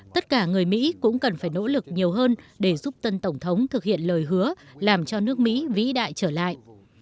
tất cả người mỹ cũng cần phải nỗ lực nhiều hơn để giúp tân tổng thống thực hiện lời hứa làm cho nước mỹ vĩ đại trở lại